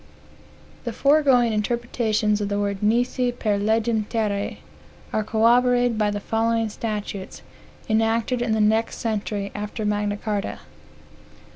The foregoing interpretations of the words nisi per legem terrae are corroborated by the following statutes, enacted in the next century after Magna Carta.